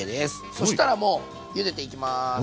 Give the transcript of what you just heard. そしたらもうゆでていきます。